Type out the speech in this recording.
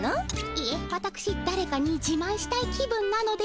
いえわたくしだれかにじまんしたい気分なのです。